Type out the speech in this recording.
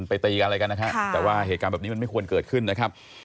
ตีกันอะไรกันนะฮะแต่ว่าเหตุการณ์แบบนี้มันไม่ควรเกิดขึ้นนะครับ